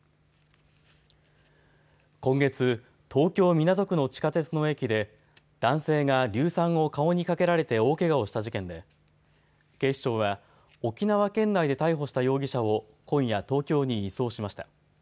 今月、東京・港区の地下鉄の駅で男性が硫酸を顔にかけられて大けがをした事件で警視庁は沖縄県内で逮捕した容疑者を今夜、東京に移送しました。